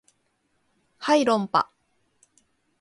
はい論破